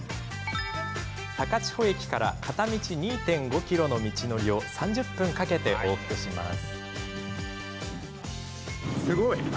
高千穂駅から片道２．５ｋｍの道のりを３０分かけて往復します。